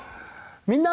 「みんな！